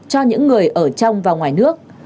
cho những người ở trong và ngoài nước